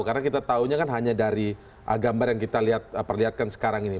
karena kita tahunya kan hanya dari gambar yang kita perlihatkan sekarang ini